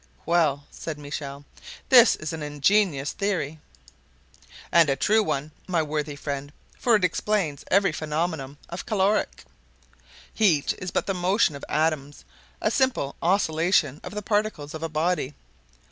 "Well," said Michel, "that is an ingenious theory!" "And a true one, my worthy friend; for it explains every phenomenon of caloric. Heat is but the motion of atoms, a simple oscillation of the particles of a body.